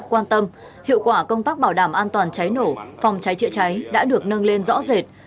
quan tâm hiệu quả công tác bảo đảm an toàn cháy nổ phòng cháy chữa cháy đã được nâng lên rõ rệt